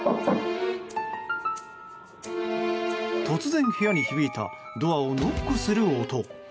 突然、部屋に響いたドアをノックする音。